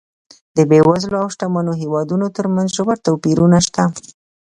د بېوزلو او شتمنو هېوادونو ترمنځ ژور توپیرونه شته.